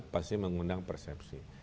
pasti mengundang persepsi